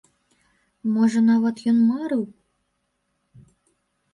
Можа, нават ён марыў.